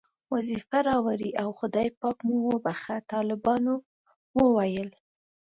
وظیفه راوړئ او خدای پاک مو وبښه، طالبانو وویل.